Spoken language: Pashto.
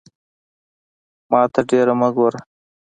ماته ډیر مه ګوره